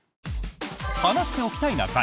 「話しておきたいな会」。